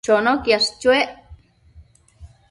Chono quiash chuec